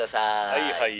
「はいはい。